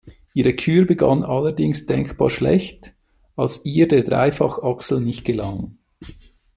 Ihre Kür begann allerdings denkbar schlecht, als ihr der dreifache Axel nicht gelang.